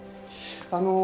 あの。